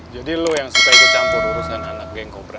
jadi lo yang suka ikut campur urusan anak geng kobra